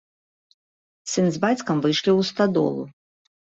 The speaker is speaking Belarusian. Сын з бацькам выйшлі ў стадолу.